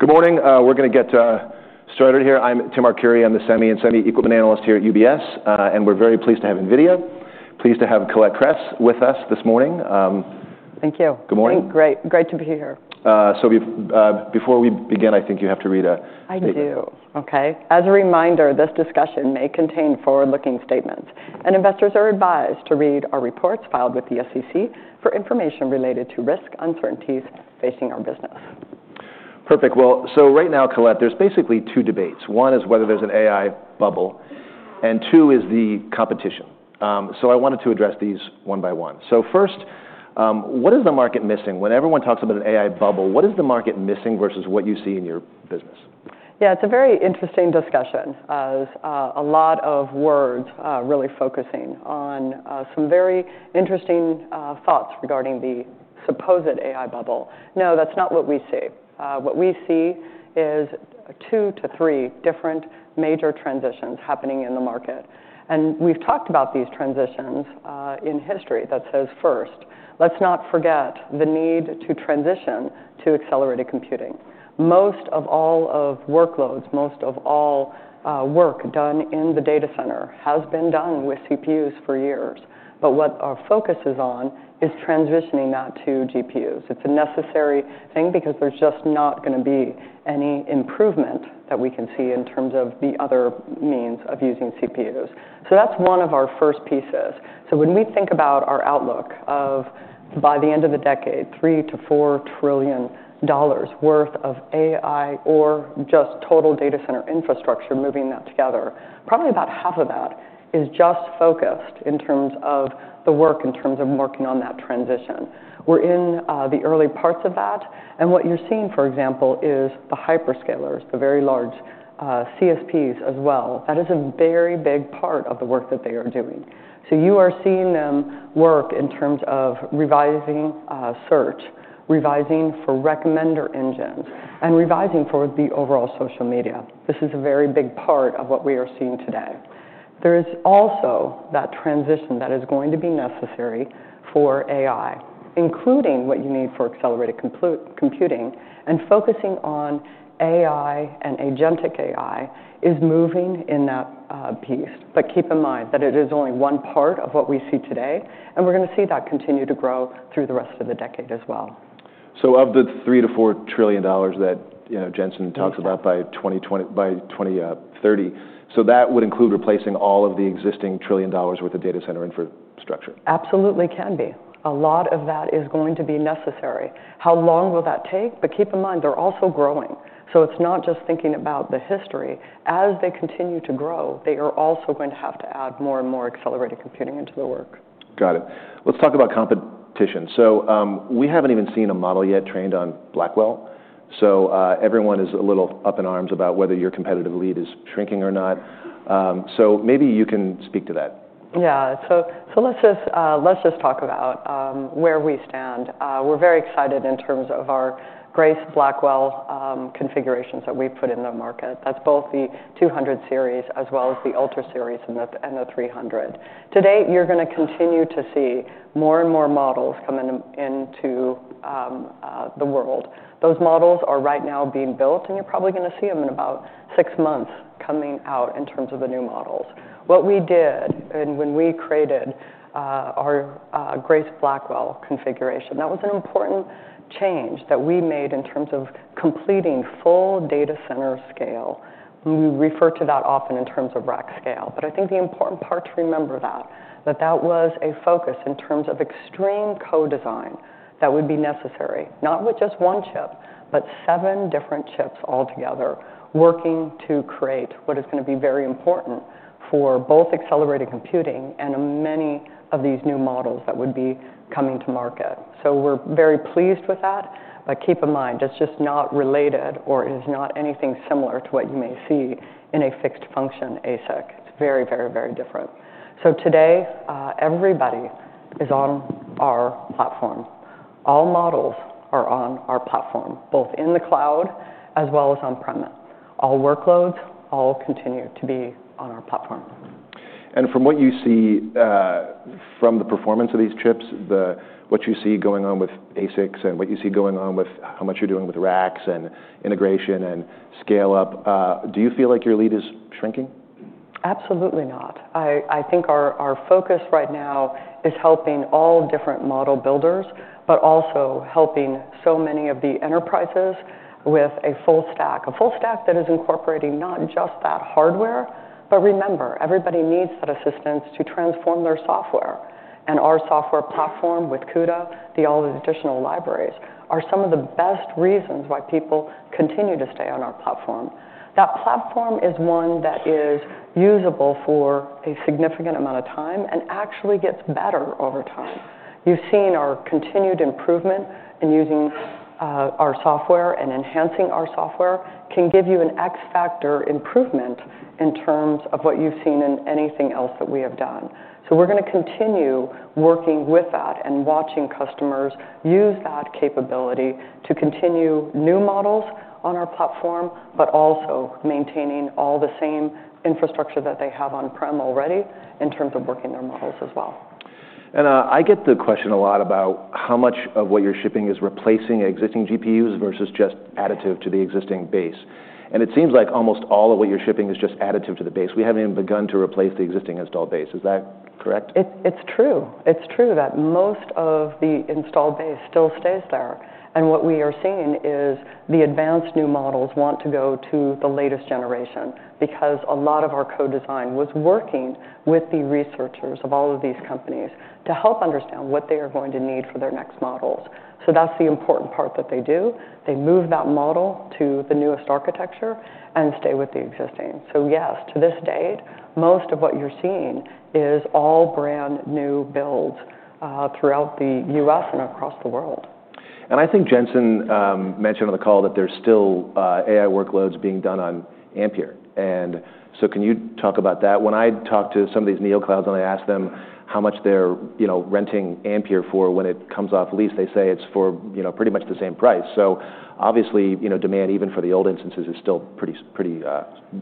Good morning. We're gonna get started here. I'm Tim Arcuri. I'm the Semi and Semi Equivalent Analyst here at UBS, and we're very pleased to have NVIDIA, pleased to have Colette Kress with us this morning. We've, before we begin, you have to read a, I do. Okay. As a reminder, this discussion may contain forward-looking statements, and investors are advised to read our reports filed with the SEC for information related to risk uncertainties facing our business. Perfect. Right now, Colette, there's basically two debates. One is whether there's an AI bubble, and two is the competition. I wanted to address these one by one. First, what is the market missing? When everyone talks about an AI bubble, what is the market missing versus what you see in your business? Yeah, it's a very interesting discussion. A lot of words, really focusing on some very interesting thoughts regarding the supposed AI bubble. No, that's not what we see. What we see is two to three different major transitions happening in the market. We've talked about these transitions in history that says first, let's not forget the need to transition to accelerated computing. Most of all workloads, most of all work done in the data center has been done with CPUs for years. What our focus is on is transitioning that to GPUs. It's a necessary thing because there's just not gonna be any improvement that we can see in terms of the other means of using CPUs. That's one of our first pieces. When we think about our outlook of by the end of the decade, $3 trillion-$4 trillion worth of AI or just total data center infrastructure moving that together, probably about half of that is just focused in terms of the work, in terms of working on that transition. We're in the early parts of that. What you're seeing, for example, is the Hyperscalers, the very large CSPs as well. That is a very big part of the work that they are doing. You are seeing them work in terms of revising search, revising for recommender engines, and revising for the overall social media. This is a very big part of what we are seeing today. There is also that transition that is going to be necessary for AI, including what you need for accelerated computing, and focusing on AI and agentic AI is moving in that piece. Keep in mind that it is only one part of what we see today, and we're gonna see that continue to grow through the rest of the decade as well. Of the three to four trillion dollars that, you know, Jensen talks about by 2020, by 2030, that would include replacing all of the existing trillion dollars' worth of data center infrastructure. Absolutely can be. A lot of that is going to be necessary. How long will that take? Keep in mind, they're also growing. It is not just thinking about the history. As they continue to grow, they are also going to have to add more and more accelerated computing into the work. Got it. Let's talk about competition. We haven't even seen a model yet trained on Blackwell. Everyone is a little up in arms about whether your competitive lead is shrinking or not. Maybe you can speak to that. Yeah. Let's just talk about where we stand. We're very excited in terms of our Grace Blackwell configurations that we've put in the market. That's both the 200 series as well as the Ultra series and the 300. Today, you're gonna continue to see more and more models come into the world. Those models are right now being built, and you're probably gonna see them in about six months coming out in terms of the new models. What we did, and when we created our Grace Blackwell configuration, that was an important change that we made in terms of completing full data center scale. We refer to that often in terms of rack scale. The important part to remember is that that was a focus in terms of extreme co-design that would be necessary, not with just one chip, but seven different chips altogether working to create what is gonna be very important for both accelerated computing and many of these new models that would be coming to market. We are very pleased with that. Keep in mind, it is just not related, or it is not anything similar to what you may see in a fixed function ASIC. It is very different. Today, everybody is on our platform. All models are on our platform, both in the cloud as well as on-premise. All workloads all continue to be on our platform. From what you see, from the performance of these chips, what you see going on with ASICs and what you see going on with how much you're doing with racks and integration and scale-up, do you feel like your lead is shrinking? Absolutely not. Our focus right now is helping all different model builders, but also helping so many of the enterprises with a full stack, a full stack that is incorporating not just that hardware. Remember, everybody needs that assistance to transform their software. Our software platform with CUDA, all the additional libraries are some of the best reasons why people continue to stay on our platform. That platform is one that is usable for a significant amount of time and actually gets better over time. You've seen our continued improvement in using our software and enhancing our software can give you an X-factor improvement in terms of what you've seen in anything else that we have done. We're gonna continue working with that and watching customers use that capability to continue new models on our platform, but also maintaining all the same infrastructure that they have on-prem already in terms of working their models as well. I get the question a lot about how much of what you're shipping is replacing existing GPUs versus just additive to the existing base. It seems like almost all of what you're shipping is just additive to the base. We haven't even begun to replace the existing installed base. Is that correct? It's true that most of the installed base still stays there. What we are seeing is the advanced new models want to go to the latest generation because a lot of our co-design was working with the researchers of all of these companies to help understand what they are going to need for their next models. That's the important part that they do. They move that model to the newest architecture and stay with the existing. Yes, to this date, most of what you're seeing is all brand new builds, throughout the U.S. and across the world. Jensen mentioned on the call that there's still AI workloads being done on Ampere. Can you talk about that? When I talk to some of these NeoClouds and I ask them how much they're, you know, renting Ampere for when it comes off lease, they say it's for, you know, pretty much the same price. Obviously, you know, demand even for the old instances is still pretty, pretty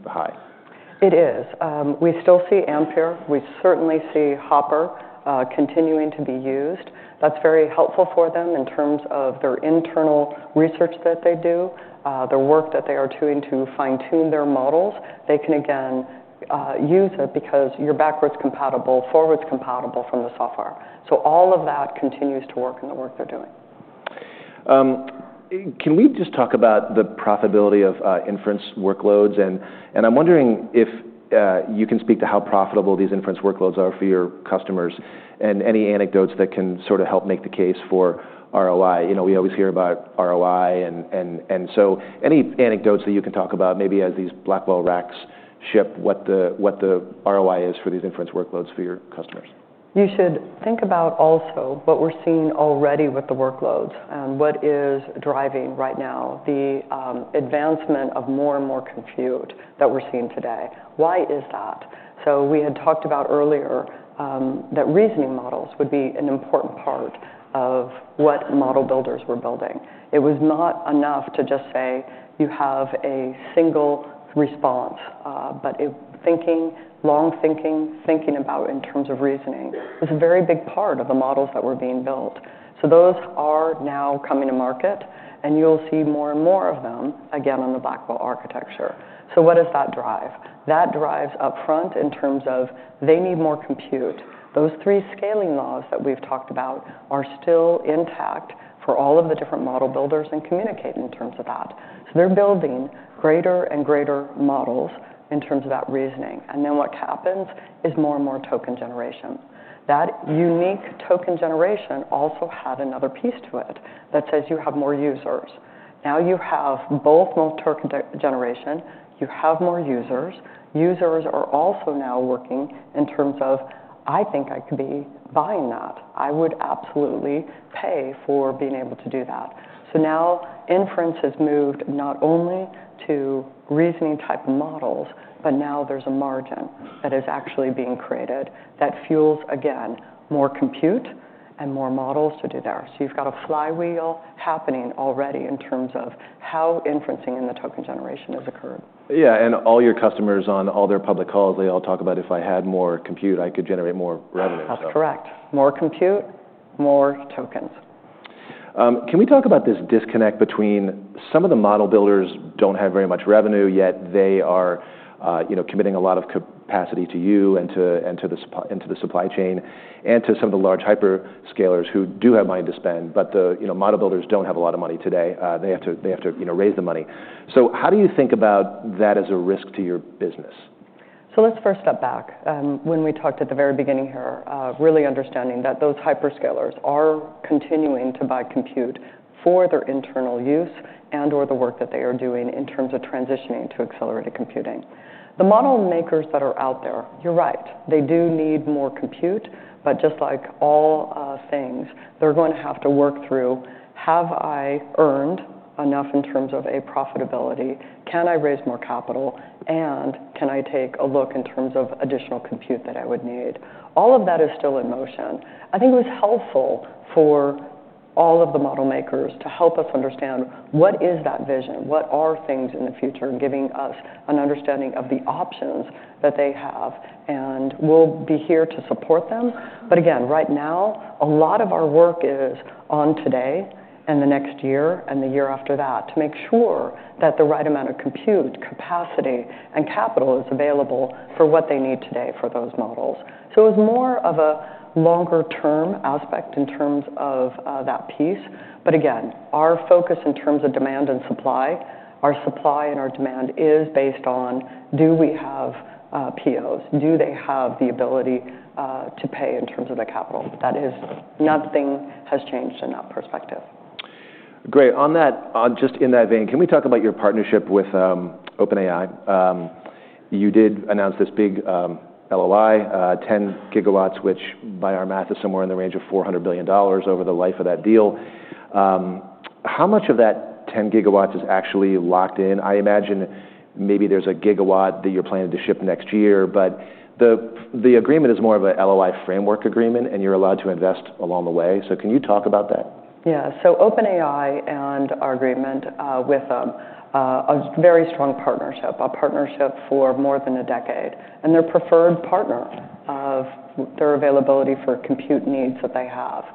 high. It is. We still see Ampere. We certainly see Hopper, continuing to be used. That's very helpful for them in terms of their internal research that they do, the work that they are doing to fine-tune their models. They can again, use it because you're backwards compatible, forwards compatible from the software. All of that continues to work in the work they're doing. Can we just talk about the profitability of inference workloads? I'm wondering if you can speak to how profitable these inference workloads are for your customers and any anecdotes that can help make the case for ROI. You know, we always hear about ROI, so any anecdotes that you can talk about maybe as these Blackwell racks ship, what the ROI is for these inference workloads for your customers. You should think about also what we're seeing already with the workloads and what is driving right now the advancement of more and more compute that we're seeing today. Why is that? We had talked about earlier that reasoning models would be an important part of what model builders were building. It was not enough to just say you have a single response long thinking about in terms of reasoning was a very big part of the models that were being built. Those are now coming to market, and you'll see more and more of them again on the Blackwell architecture. What does that drive? That drives upfront in terms of they need more compute. Those three scaling laws that we've talked about are still intact for all of the different model builders and communicate in terms of that. They're building greater and greater models in terms of that reasoning. What happens is more and more token generation. That unique token generation also had another piece to it that says you have more users. Now you have both more token generation, you have more users. Users are also now working in terms of, I could be buying that. I would absolutely pay for being able to do that. Now inference has moved not only to reasoning type of models, but now there's a margin that is actually being created that fuels again more compute and more models to do there. You've got a flywheel happening already in terms of how inferencing and the token generation has occurred. Yeah. All your customers on all their public calls, they all talk about if I had more compute, I could generate more revenue. That's correct. More compute, more tokens. Can we talk about this disconnect between some of the model builders who do not have very much revenue, yet they are, you know, committing a lot of capacity to you and to the supply chain and to some of the large Hyperscalers who do have money to spend, but the, you know, model builders do not have a lot of money today. They have to, they have to, you know, raise the money. How do you think about that as a risk to your business? Let's first step back. When we talked at the very beginning here, really understanding that those Hyperscalers are continuing to buy compute for their internal use and/or the work that they are doing in terms of transitioning to accelerated computing. The model makers that are out there, you're right, they do need more compute, but just like all things, they're gonna have to work through, have I earned enough in terms of a profitability? Can I raise more capital? And can I take a look in terms of additional compute that I would need? All of that is still in motion. It was helpful for all of the model makers to help us understand what is that vision, what are things in the future giving us an understanding of the options that they have. We'll be here to support them. Right now, a lot of our work is on today and the next year and the year after that to make sure that the right amount of compute, capacity, and capital is available for what they need today for those models. It was more of a longer-term aspect in terms of that piece. Again, our focus in terms of demand and supply, our supply and our demand is based on do we have POs? Do they have the ability to pay in terms of the capital? Nothing has changed in that perspective. Great. On that, just in that vein, can we talk about your partnership with OpenAI? You did announce this big LOI, 10 gigawatts, which by our math is somewhere in the range of $400 billion over the life of that deal. How much of that 10 gigawatts is actually locked in? I imagine maybe there's a gigawatt that you're planning to ship next year, but the agreement is more of a LOI framework agreement, and you're allowed to invest along the way. Can you talk about that? Yeah. OpenAI and our agreement with them, a very strong partnership, a partnership for more than a decade, and their preferred partner of their availability for compute needs that they have.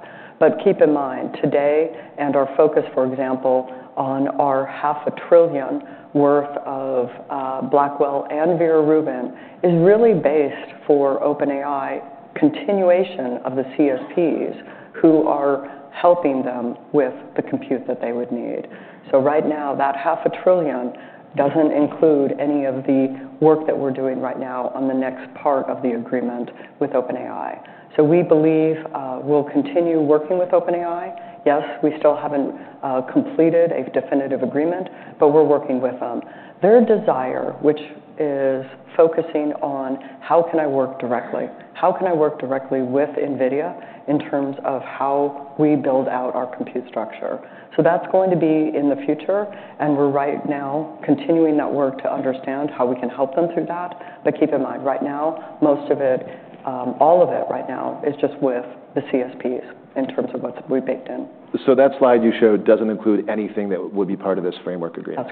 Keep in mind today and our focus, for example, on our $500 billion worth of Blackwell and Vera Rubin is really based for OpenAI continuation of the CSPs who are helping them with the compute that they would need. Right now, that $500 billion does not include any of the work that we're doing right now on the next part of the agreement with OpenAI. We believe we'll continue working with OpenAI. Yes, we still have not completed a definitive agreement, but we're working with them. Their desire, which is focusing on how can I work directly, how can I work directly with NVIDIA in terms of how we build out our compute structure. That's going to be in the future. We're right now continuing that work to understand how we can help them through that. Keep in mind, right now, most of it, all of it right now is just with the CSPs in terms of what we've baked in. That slide you showed doesn't include anything that would be part of this framework agreement.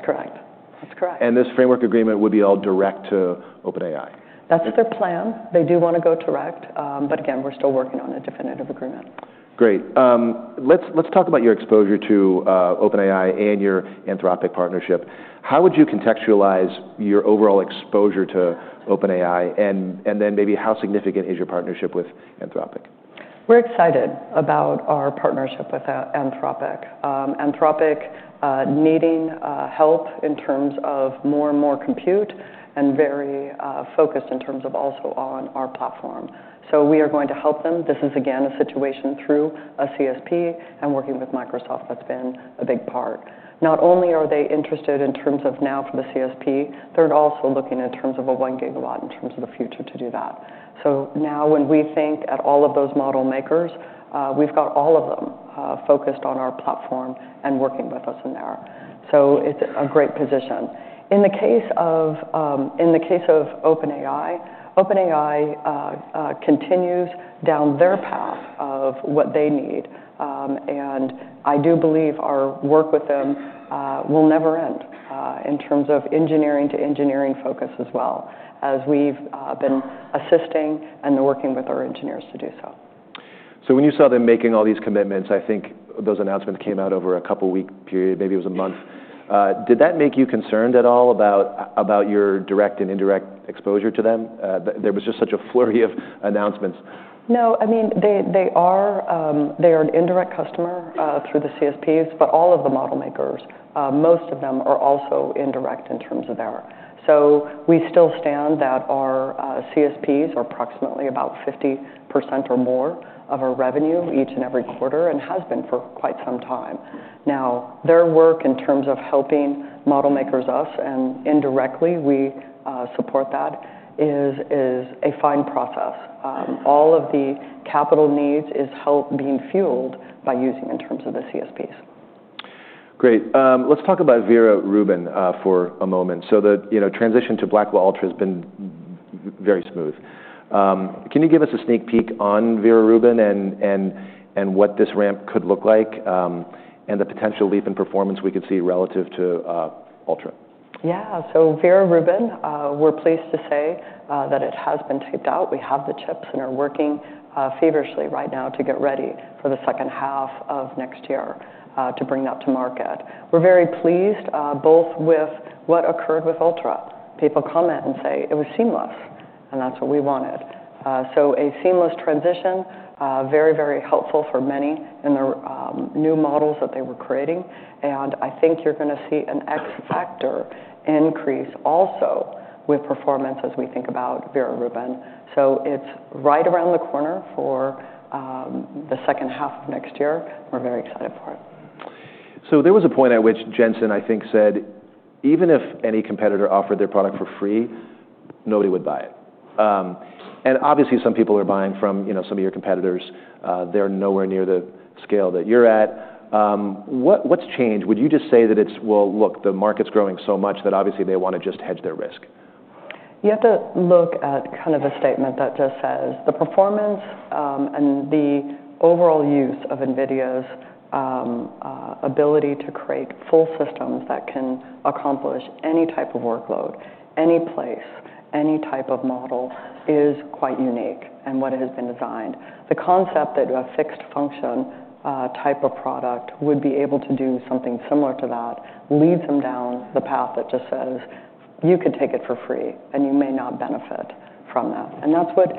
This framework agreement would be all direct to OpenAI. That's their plan. They do wanna go direct, but again, we're still working on a definitive agreement. Great. Let's, let's talk about your exposure to OpenAI and your Anthropic partnership. How would you contextualize your overall exposure to OpenAI? And then maybe how significant is your partnership with Anthropic? We're excited about our partnership with Anthropic. Anthropic, needing help in terms of more and more compute and very focused in terms of also on our platform. We are going to help them. This is again a situation through a CSP and working with Microsoft. That's been a big part. Not only are they interested in terms of now for the CSP, they're also looking in terms of a one gigawatt in terms of the future to do that. Now when we think at all of those model makers, we've got all of them focused on our platform and working with us in there. It's a great position. In the case of OpenAI, OpenAI continues down their path of what they need. I do believe our work with them will never end, in terms of engineering to engineering focus as well as we've been assisting and working with our engineers to do so. When you saw them making all these commitments, those announcements came out over a couple week period, maybe it was a month. Did that make you concerned at all about your direct and indirect exposure to them? There was just such a flurry of announcements. No, they are an indirect customer, through the CSPs, but all of the model makers, most of them are also indirect in terms of there. We still stand that our CSPs are approximately about 50% or more of our revenue each and every quarter and has been for quite some time. Now, their work in terms of helping model makers us and indirectly we support that is, is a fine process. All of the capital needs is help being fueled by using in terms of the CSPs. Great. Let's talk about Vera Rubin for a moment. The transition to Blackwell Ultra has been very smooth. Can you give us a sneak peek on Vera Rubin and what this ramp could look like, and the potential leap in performance we could see relative to Ultra? Yeah. Vera Rubin, we're pleased to say that it has been taped out. We have the chips and are working feverishly right now to get ready for the second half of next year to bring that to market. We're very pleased, both with what occurred with Ultra. People come in and say it was seamless, and that's what we wanted, so a seamless transition, very, very helpful for many in their new models that they were creating. You're gonna see an X factor increase also with performance as we think about Vera Rubin. It's right around the corner for the second half of next year. We're very excited for it. There was a point at which Jensen said, even if any competitor offered their product for free, nobody would buy it. Obviously some people are buying from, you know, some of your competitors. They're nowhere near the scale that you're at. What, what's changed? Would you just say that it's, well, look, the market's growing so much that obviously they wanna just hedge their risk? You have to look at a statement that just says the performance, and the overall use of NVIDIA's ability to create full systems that can accomplish any type of workload, any place, any type of model is quite unique in what it has been designed. The concept that a fixed function, type of product would be able to do something similar to that leads them down the path that just says you could take it for free and you may not benefit from that. That is what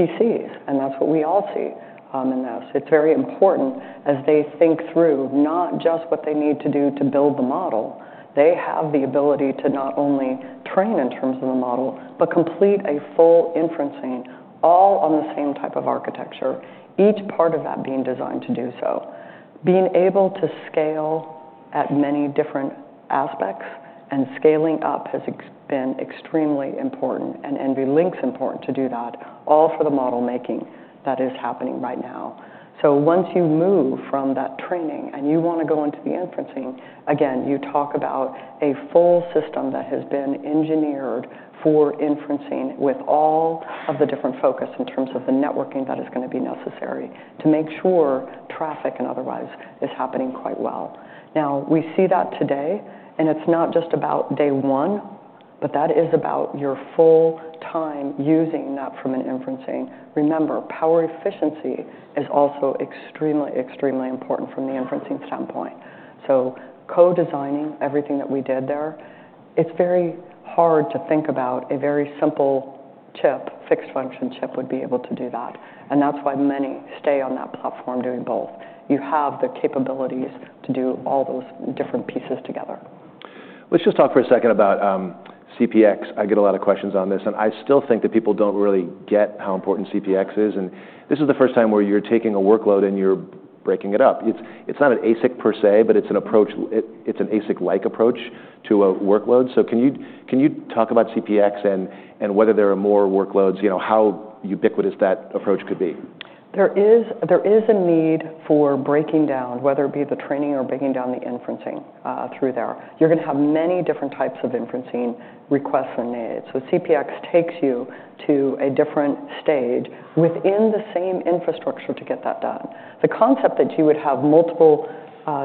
he sees, and that is what we all see, in this. It is very important as they think through not just what they need to do to build the model. They have the ability to not only train in terms of the model, but complete a full inferencing all on the same type of architecture, each part of that being designed to do so. Being able to scale at many different aspects and scaling up has been extremely important and NVLink's important to do that all for the model making that is happening right now. Once you move from that training and you wanna go into the inferencing, again, you talk about a full system that has been engineered for inferencing with all of the different focus in terms of the networking that is gonna be necessary to make sure traffic and otherwise is happening quite well. Now we see that today, and it's not just about day one, but that is about your full time using that from an inferencing. Remember, power efficiency is also extremely, extremely important from the inferencing standpoint. Co-designing everything that we did there, it's very hard to think about a very simple chip, fixed function chip would be able to do that. That's why many stay on that platform doing both. You have the capabilities to do all those different pieces together. Let's just talk for a second about CPX. I get a lot of questions on this, people don't really get how important CPX is. This is the first time where you're taking a workload and you're breaking it up. It's not an ASIC per se, but it's an approach, it's an ASIC-like approach to a workload. Can you talk about CPX and whether there are more workloads, you know, how ubiquitous that approach could be? There is a need for breaking down, whether it be the training or breaking down the inferencing, through there. You're gonna have many different types of inferencing requests and needs. CPX takes you to a different stage within the same infrastructure to get that done. The concept that you would have multiple,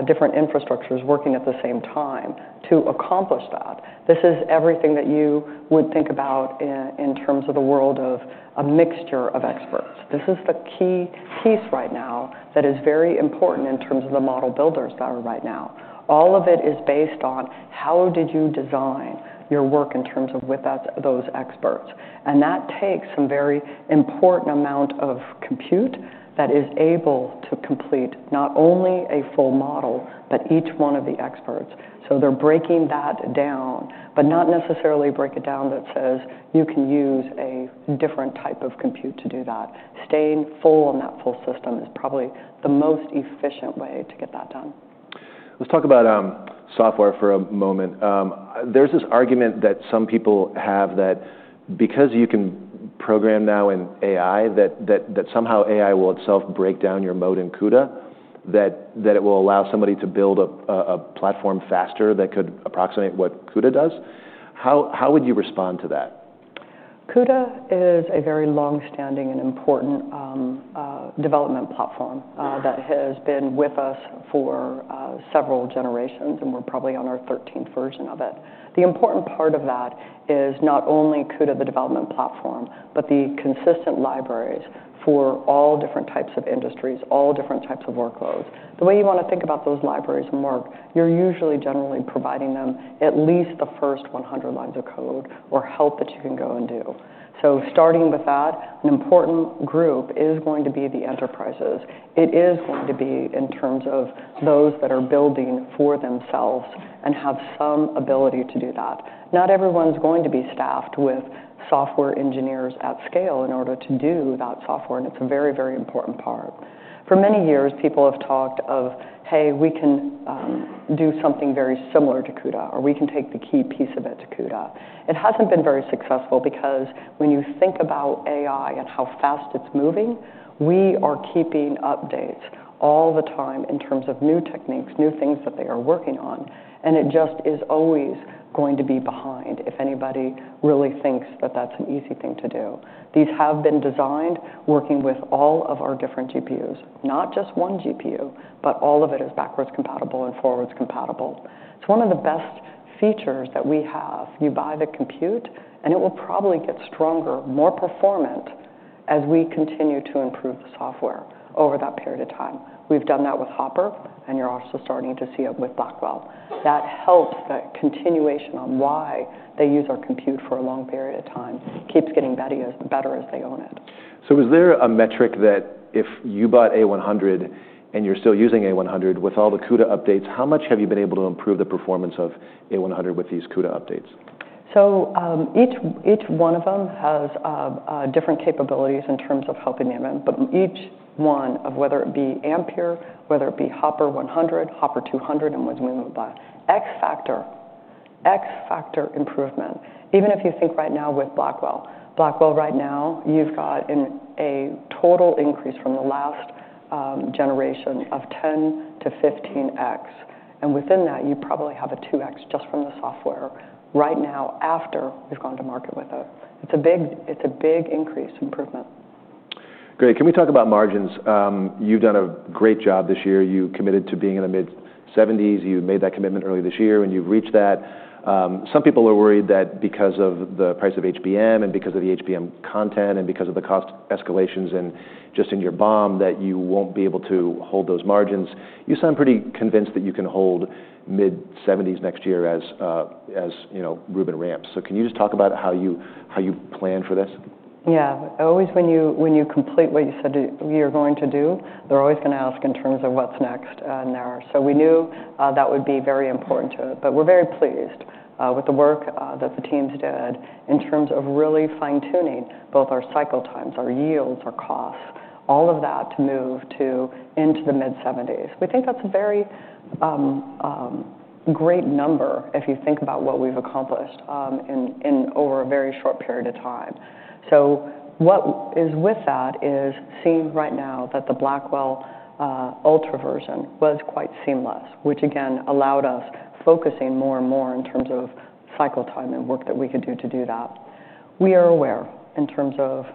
different infrastructures working at the same time to accomplish that. This is everything that you would think about in terms of the world of a mixture of experts. This is the key piece right now that is very important in terms of the model builders that are right now. All of it is based on how did you design your work in terms of with that, those experts. That takes some very important amount of compute that is able to complete not only a full model, but each one of the experts. They are breaking that down, but not necessarily break it down that says you can use a different type of compute to do that. Staying full on that full system is probably the most efficient way to get that done. Let's talk about software for a moment. There's this argument that some people have that because you can program now in AI, that somehow AI will itself break down your moat in CUDA, that it will allow somebody to build a platform faster that could approximate what CUDA does. How would you respond to that? CUDA is a very longstanding and important development platform that has been with us for several generations, and we're probably on our 13th version of it. The important part of that is not only CUDA, the development platform, but the consistent libraries for all different types of industries, all different types of workloads. The way you wanna think about those libraries, Mark, you're usually generally providing them at least the first 100 lines of code or help that you can go and do. Starting with that, an important group is going to be the enterprises. It is going to be in terms of those that are building for themselves and have some ability to do that. Not everyone's going to be staffed with software engineers at scale in order to do that software. It's a very, very important part. For many years, people have talked of, hey, we can do something very similar to CUDA, or we can take the key piece of it to CUDA. It hasn't been very successful because when you think about AI and how fast it's moving, we are keeping updates all the time in terms of new techniques, new things that they are working on. It just is always going to be behind if anybody really thinks that that's an easy thing to do. These have been designed working with all of our different GPUs, not just one GPU, but all of it is backwards compatible and forwards compatible. It's one of the best features that we have. You buy the compute, and it will probably get stronger, more performant as we continue to improve the software over that period of time. We've done that with Hopper, and you're also starting to see it with Blackwell. That helps the continuation on why they use our compute for a long period of time, keeps getting better as, better as they own it. Is there a metric that if you bought A100 and you're still using A100 with all the CUDA updates, how much have you been able to improve the performance of A100 with these CUDA updates? Each one of them has different capabilities in terms of helping the event, but each one of whether it be Ampere, whether it be Hopper 100, Hopper 200, and when we bought X factor, X factor improvement. Even if you think right now with Blackwell, Blackwell right now, you've got a total increase from the last generation of 10-15X. Within that, you probably have a 2X just from the software right now after we've gone to market with it. It's a big increase improvement. Great. Can we talk about margins? You've done a great job this year. You committed to being in the mid seventies. You made that commitment early this year and you've reached that. Some people are worried that because of the price of HBM and because of the HBM content and because of the cost escalations and just in your BOM that you won't be able to hold those margins. You sound pretty convinced that you can hold mid seventies next year as, as, you know, Rubin ramps. Can you just talk about how you, how you plan for this? Yeah. Always when you, when you complete what you said you're going to do, they're always gonna ask in terms of what's next, in there. We knew that would be very important to it, but we're very pleased with the work that the teams did in terms of really fine tuning both our cycle times, our yields, our costs, all of that to move to into the mid seventies. That's a very great number if you think about what we've accomplished in, in over a very short period of time. What is with that is seeing right now that the Blackwell Ultra version was quite seamless, which again allowed us focusing more and more in terms of cycle time and work that we could do to do that. We are aware in terms of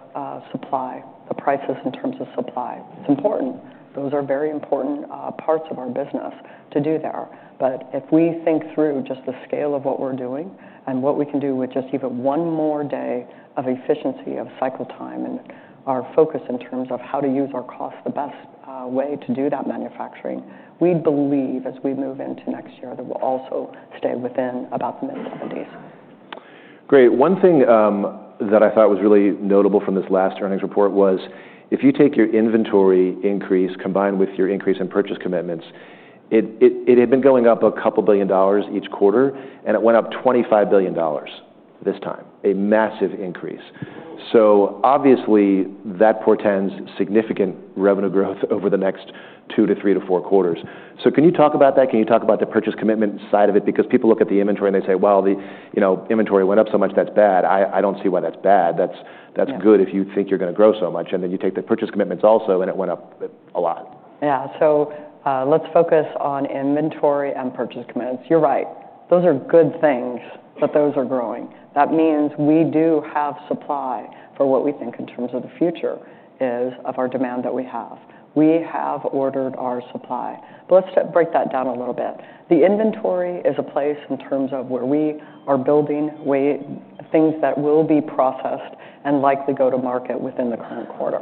supply, the prices in terms of supply. It's important. Those are very important, parts of our business to do there. If we think through just the scale of what we're doing and what we can do with just even one more day of efficiency of cycle time and our focus in terms of how to use our costs the best, way to do that manufacturing, we believe as we move into next year that we'll also stay within about the mid 70s. Great. One thing that I thought was really notable from this last earnings report was if you take your inventory increase combined with your increase in purchase commitments, it had been going up a couple billion dollars each quarter and it went up $25 billion this time, a massive increase. Obviously that portends significant revenue growth over the next two to three to four quarters. Can you talk about that? Can you talk about the purchase commitment side of it? People look at the inventory and they say, you know, inventory went up so much, that's bad. I don't see why that's bad. That's good if you think you're gonna grow so much. You take the purchase commitments also and it went up a lot. Yeah. Let's focus on inventory and purchase commitments. You're right. Those are good things, but those are growing. That means we do have supply for what we think in terms of the future is of our demand that we have. We have ordered our supply, but let's break that down a little bit. The inventory is a place in terms of where we are building way things that will be processed and likely go to market within the current quarter.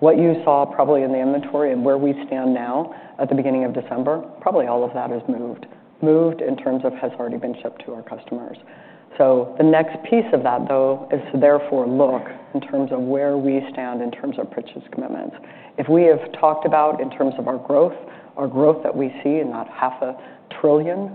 What you saw probably in the inventory and where we stand now at the beginning of December, probably all of that has moved, moved in terms of has already been shipped to our customers. The next piece of that though is to therefore look in terms of where we stand in terms of purchase commitments. If we have talked about in terms of our growth, our growth that we see in that half a trillion,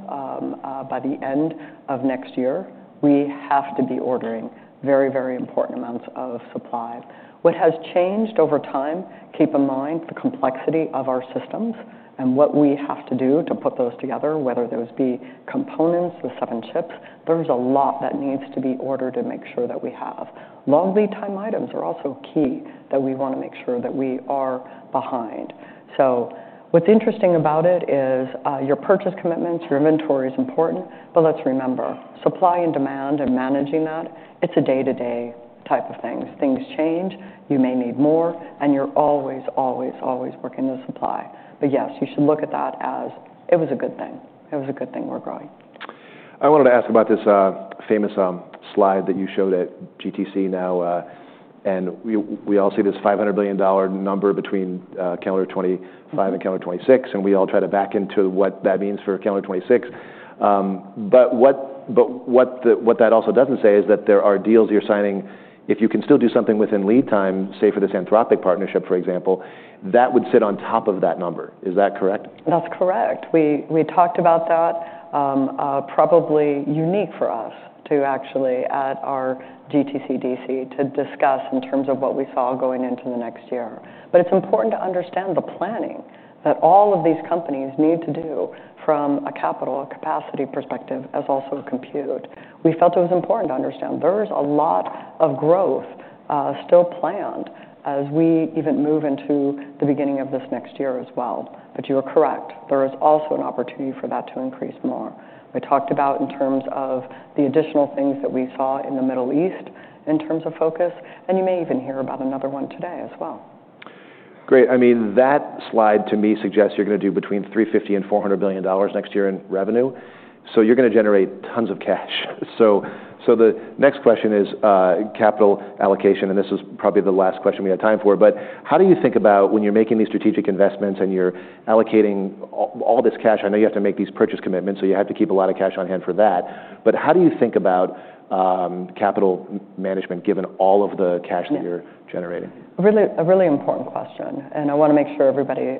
by the end of next year, we have to be ordering very, very important amounts of supply. What has changed over time, keep in mind the complexity of our systems and what we have to do to put those together, whether those be components, the seven chips, there's a lot that needs to be ordered to make sure that we have long lead time items are also key that we wanna make sure that we are behind. What's interesting about it is, your purchase commitments, your inventory is important, but let's remember supply and demand and managing that, it's a day-to-day type of things. Things change, you may need more, and you're always, always, always working the supply. Yes, you should look at that as it was a good thing. It was a good thing we're growing. I wanted to ask about this famous slide that you showed at GTC now, and we all see this $500 billion number between calendar 2025 and calendar 2026, and we all try to back into what that means for calendar 2026. What that also does not say is that there are deals you are signing if you can still do something within lead time, say for this Anthropic partnership, for example, that would sit on top of that number. Is that correct? That's correct. We talked about that, probably unique for us to actually at our GTC DC to discuss in terms of what we saw going into the next year. It is important to understand the planning that all of these companies need to do from a capital capacity perspective as also compute. We felt it was important to understand there is a lot of growth, still planned as we even move into the beginning of this next year as well. You are correct. There is also an opportunity for that to increase more. I talked about in terms of the additional things that we saw in the Middle East in terms of focus, and you may even hear about another one today as well. Great. That slide to me suggests you're gonna do between $350 billion and $400 billion next year in revenue. You're gonna generate tons of cash. The next question is, capital allocation, and this is probably the last question we have time for, but how do you think about when you're making these strategic investments and you're allocating all this cash? I know you have to make these purchase commitments, so you have to keep a lot of cash on hand for that. How do you think about capital management given all of the cash that you're generating? A really important question. I wanna make sure everybody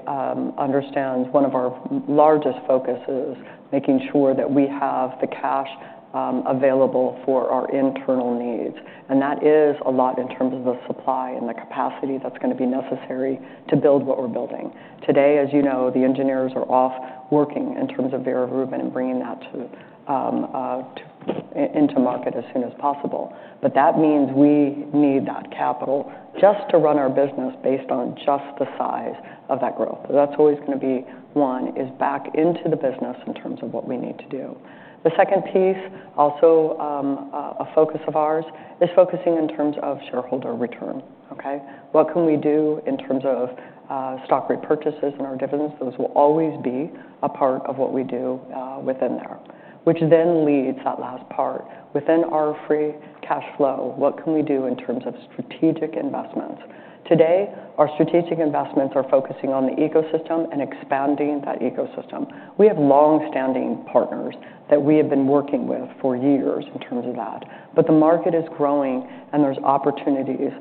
understands one of our largest focuses, making sure that we have the cash available for our internal needs. That is a lot in terms of the supply and the capacity that's gonna be necessary to build what we're building today. As you know, the engineers are off working in terms of Vera Rubin and bringing that into market as soon as possible. That means we need that capital just to run our business based on just the size of that growth. That's always gonna be one, is back into the business in terms of what we need to do. The second piece also, a focus of ours is focusing in terms of shareholder return. Okay. What can we do in terms of stock repurchases and our dividends? Those will always be a part of what we do, within there, which then leads that last part within our free cash flow. What can we do in terms of strategic investments? Today, our strategic investments are focusing on the ecosystem and expanding that ecosystem. We have longstanding partners that we have been working with for years in terms of that, but the market is growing and there's opportunities,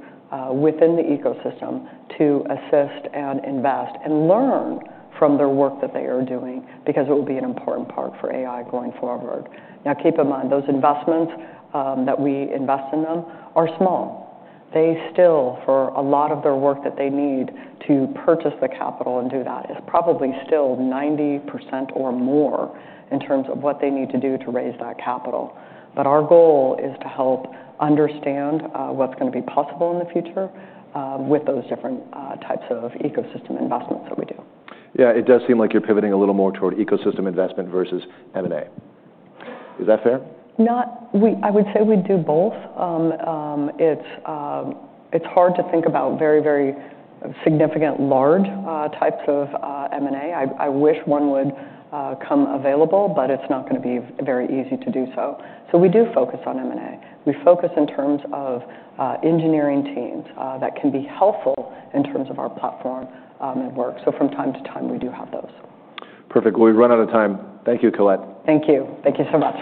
within the ecosystem to assist and invest and learn from their work that they are doing because it will be an important part for AI going forward. Now, keep in mind those investments, that we invest in them are small. They still, for a lot of their work that they need to purchase the capital and do that, is probably still 90% or more in terms of what they need to do to raise that capital. Our goal is to help understand what's gonna be possible in the future, with those different types of ecosystem investments that we do. Yeah. It does seem like you're pivoting a little more toward ecosystem investment versus M&A. Is that fair? We, I would say we do both. It's hard to think about very, very significant large types of M&A. I wish one would come available, but it's not gonna be very easy to do so. We do focus on M&A. We focus in terms of engineering teams that can be helpful in terms of our platform and work. From time to time, we do have those. Perfect. We run out of time. Thank you, Colette. Thank you so much.